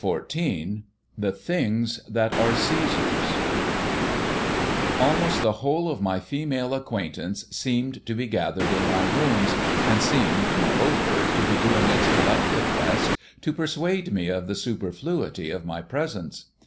XIV THE THINGS THAT ARE CÆSAR'S Almost the whole of my female acquaintance seemed to be gathered in my rooms, and seemed, moreover, to be doing its collective best to persuade me of the superfluity of my presence.